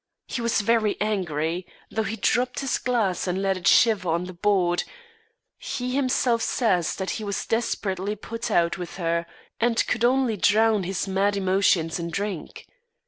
He was very angry. Though he dropped his glass, and let it shiver on the board, he himself says that he was desperately put out with her, and could only drown his mad emotions in drink.